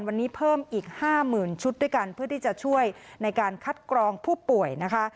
วันนี้เพิ่มอีก๕๐๐๐ชุดด้วยกันเพื่อที่จะช่วยในการคัดกรองผู้ป่วยนะคะ